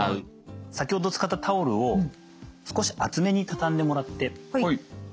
先ほど使ったタオルを少し厚めにたたんでもらって。